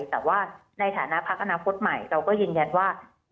แต่ว่าในฐานะพักอนาคตใหม่เราก็ยืนยันว่า